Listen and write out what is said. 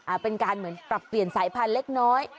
เป็นการเหมือนปรับเปลี่ยนสายพันธุ์เล็กน้อย